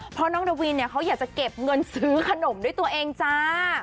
เพราะน้องนาวินเนี่ยเขาอยากจะเก็บเงินซื้อขนมด้วยตัวเองจ้า